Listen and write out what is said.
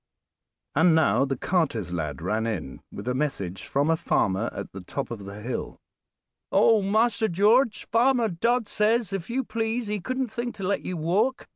And now the carter's lad ran in with a message from a farmer at the top of the hill. "Oh! Master George, Farmer Dodd says, if you please, he couldn't think to let you walk.